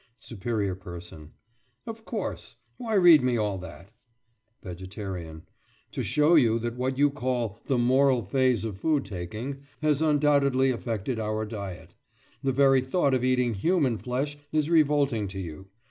SUPERIOR PERSON: Of course. Why read me all that? VEGETARIAN: To show you that what you call "the moral phase of food taking" has undoubtedly affected our diet. The very thought of eating human flesh is revolting to you.